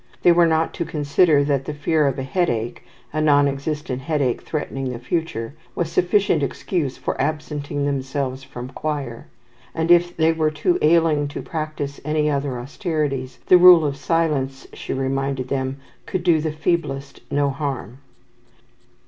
They were not to consider that the fear of a headache, a non existent headache threatening the future was sufficient excuse for absenting themselves from choir; and, if they were too ailing to practise any other austerities, the rule of silence, she reminded them, could do the feeblest no harm.